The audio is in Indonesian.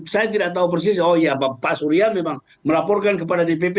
saya tidak tahu persis oh ya pak surya memang melaporkan kepada dpp